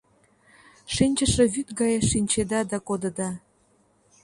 Шинчыше вӱд гае шинчеда да кодыда.